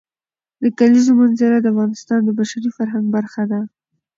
د کلیزو منظره د افغانستان د بشري فرهنګ برخه ده.